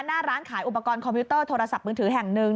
หน้าร้านขายอุปกรณ์คอมพิวเตอร์โทรศัพท์มือถือแห่งหนึ่ง